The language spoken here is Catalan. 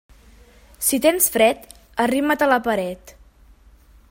Si tens fred, arrima't a la paret.